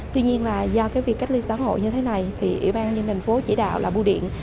tuy nhiên là do cái việc cách ly xã hội như thế này thì ủy ban nhân thành phố chỉ đạo là bù điện